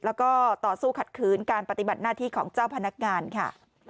แล้วก็ต่อสู้ขัดขืนการปฏิบัติหน้าที่ของเจ้าพนักงานค่ะ